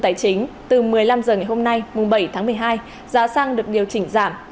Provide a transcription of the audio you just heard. tài chính từ một mươi năm h ngày hôm nay mùng bảy tháng một mươi hai giá xăng được điều chỉnh giảm